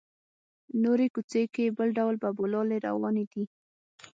نورې کوڅې کې بل ډول بابولالې روانې دي.